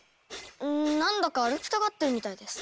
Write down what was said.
ん何だか歩きたがってるみたいです。